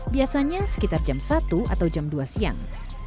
biasanya sekitar jam satu atau jam dua siang